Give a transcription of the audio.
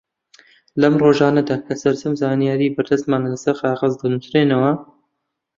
لەم ڕۆژانەدا کە سەرجەم زانیاری بەردەستمان لەسەر کاغەز دەنووسرێنەوە